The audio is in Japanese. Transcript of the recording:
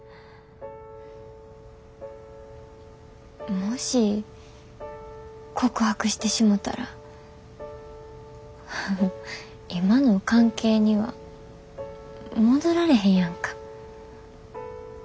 もし告白してしもたら今の関係には戻られへんやんか。